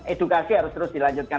edukasi harus terus dilanjutkan